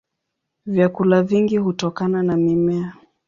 Vyakula vingi hutokana na mimea.